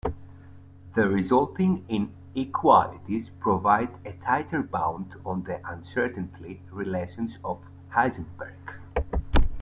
The resulting inequalities provide a tighter bound on the uncertainty relations of Heisenberg.